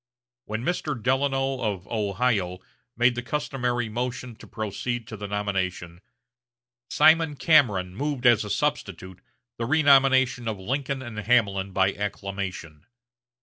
When Mr. Delano of Ohio made the customary motion to proceed to the nomination, Simon Cameron moved as a substitute the renomination of Lincoln and Hamlin by acclamation.